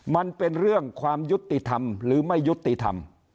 มันเป็นเรื่องความยุติธรรมหรือไม่ยุติธรรม